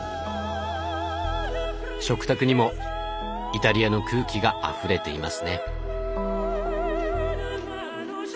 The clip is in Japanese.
食卓にもイタリアの空気があふれていますね。